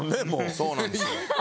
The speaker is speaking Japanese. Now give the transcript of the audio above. そうなんですよ。